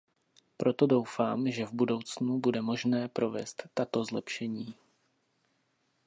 Proto doufám, že v budoucnu bude možné provést tato zlepšení.